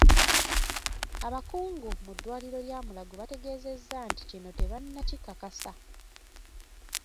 Abakungu mu ddwaliro lya Mulago bategeezezza nti kino tebannakikakasa.